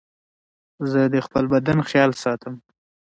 زه د خپل بدن خيال ساتم.